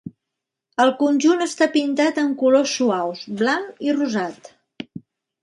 El conjunt està pintat amb colors suaus -blanc i rosat-.